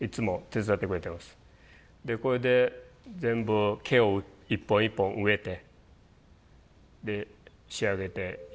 でこれで全部毛を一本一本植えてで仕上げていきます。